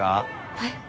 はい。